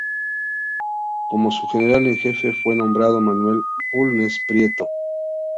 Como su general en jefe fue nombrado Manuel Bulnes Prieto.